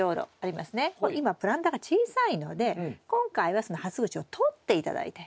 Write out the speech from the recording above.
今プランターが小さいので今回はそのハス口を取って頂いて。